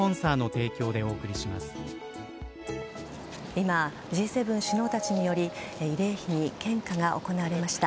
今、Ｇ７首脳たちにより慰霊碑に献花が行われました。